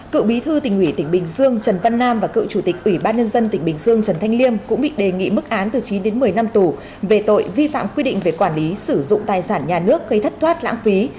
cựu bí thư tỉnh ủy tỉnh bình dương trần văn nam và cựu chủ tịch ủy ban nhân dân tỉnh bình dương trần thanh liêm cũng bị đề nghị mức án từ chín đến một mươi năm tù về tội vi phạm quy định về quản lý sử dụng tài sản nhà nước gây thất thoát lãng phí